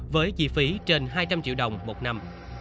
với chi phí trên hai trăm linh triệu đồng một năm